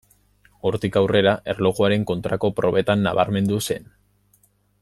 Hortik aurrera, erlojuaren kontrako probetan nabarmendu zen.